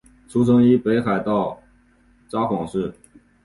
出生于北海道札幌市。